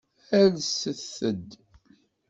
Alset-d.